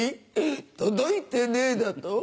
届いてねえだと？